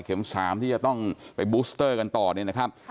๓ที่จะต้องไปบูสเตอร์กันต่อเนี่ยนะครับ